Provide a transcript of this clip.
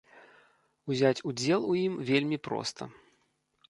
Узяць удзел у ім вельмі проста.